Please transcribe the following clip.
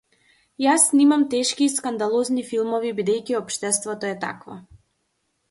Јас снимам тешки и скандалозни филмови бидејќи општеството е такво.